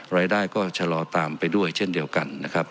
รายได้ก็ชะลอตามไปด้วยเช่นเดียวกันนะครับ